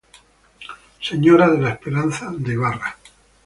Sra de la Esperanza de Ibarra.